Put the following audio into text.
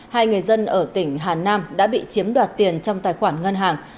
hai người dân ở tỉnh hà nam đã bị chiếm đoạt tiền trong tài khoản ngân hàng